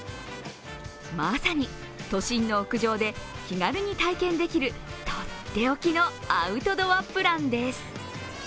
まさに都心の屋上で気軽に体験できるとっておきのアウトドアプランです。